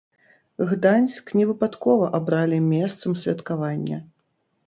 Гданьск не выпадкова абралі месцам святкавання.